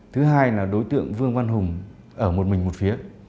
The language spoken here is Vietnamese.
thứ hai là đối tượng vương văn hùng ở một mình một phía